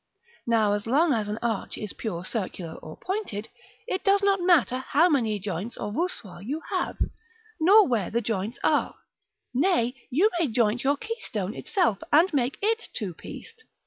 Now so long as an arch is pure circular or pointed, it does not matter how many joints or voussoirs you have, nor where the joints are; nay, you may joint your keystone itself, and make it two pieced.